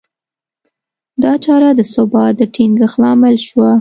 دا چاره د ثبات د ټینګښت لامل شوه.